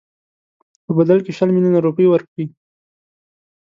په بدل کې شل میلیونه روپۍ ورکړي.